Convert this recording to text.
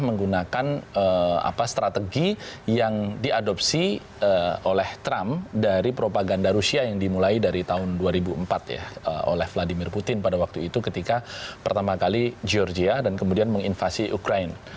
menggunakan strategi yang diadopsi oleh trump dari propaganda rusia yang dimulai dari tahun dua ribu empat ya oleh vladimir putin pada waktu itu ketika pertama kali georgia dan kemudian menginvasi ukraine